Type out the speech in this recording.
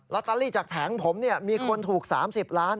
ตอรี่จากแผงผมมีคนถูก๓๐ล้าน